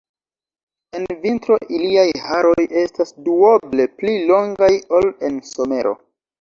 En vintro iliaj haroj estas duoble pli longaj ol en somero.